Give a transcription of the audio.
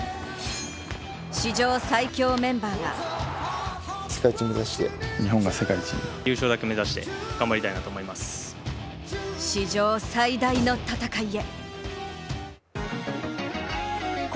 史上最強メンバーが史上最大の戦いへ。